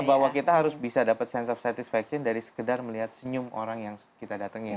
bahwa kita harus bisa dapat sense of satisfaction dari sekedar melihat senyum orang yang kita datengin